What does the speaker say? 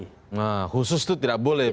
nah khusus itu tidak boleh